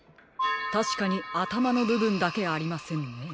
たしかにあたまのぶぶんだけありませんね。